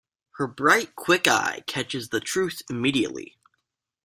Her bright quick eye catches the truth immediately.